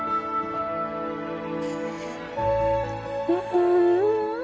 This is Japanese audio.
うん！